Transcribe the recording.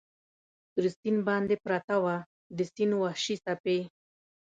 پر سیند باندې پرته وه، د سیند وحشي څپې.